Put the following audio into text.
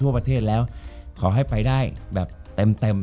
จบการโรงแรมจบการโรงแรม